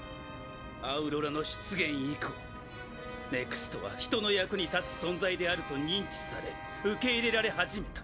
アウロラの出現以降ＮＥＸＴは人の役に立つ存在であると認知され受け入れられ始めた。